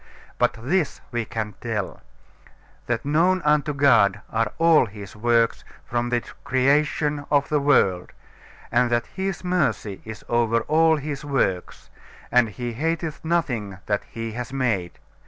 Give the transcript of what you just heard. But this we can tell, that known unto God are all His works from the creation of the world; and that His mercy is over all His works, and He hateth nothing that He has made.